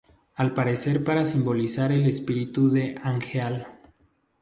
Al parecer, para simbolizar el espíritu de Angeal.